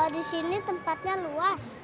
disini tempatnya luas